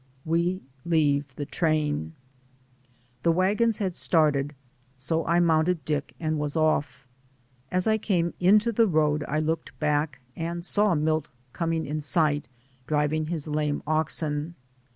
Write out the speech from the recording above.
WE LEAVE THE TRAIN. The wagons had started, so I mounted Dick and was off. As I came into the road I looked back, and saw Milt coming in sight, driving his lame oxen.